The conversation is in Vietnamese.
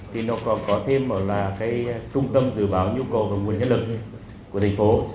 thì nó còn có thêm bảo là cái trung tâm dự báo nhu cầu và nguồn nhân lực của thành phố